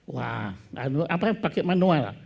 wah pakai manual